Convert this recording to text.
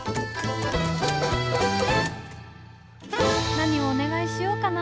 何をお願いしようかな。